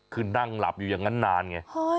คือนั่งหลับอยู่อย่างนั้นนานไง